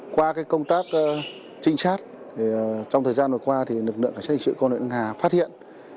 qua công tác trinh chát trong thời gian vừa qua lực lượng trách nhiệm sự công an huyện hưng hà phát hiện